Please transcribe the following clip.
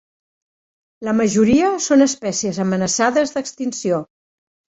La majoria són espècies amenaçades d'extinció.